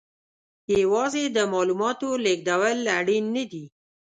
یوازې د معلوماتو لېږدول اړین نه دي.